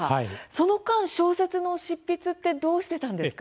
その間、小説の執筆ってどうしていたんですか？